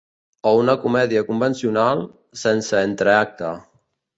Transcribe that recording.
O una comèdia convencional, sense entreacte.